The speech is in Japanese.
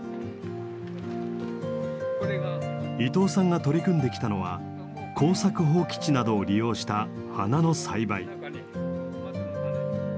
伊藤さんが取り組んできたのは耕作放棄地などを利用した花の栽培。